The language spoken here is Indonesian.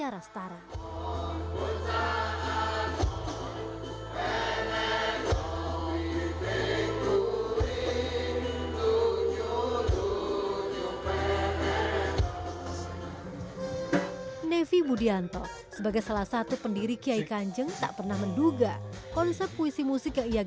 kadang baik kadang buruk